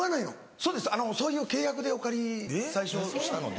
そうですそういう契約でお借り最初したので。